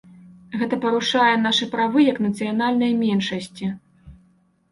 Гэта парушае нашы правы як нацыянальнай меншасці.